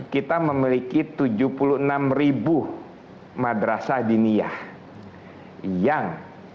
kita memiliki tujuh puluh enam ribu madrasah diniah yang